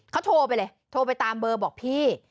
เขาโทรไปเลยโทรไปตามเบอร์บอกพี่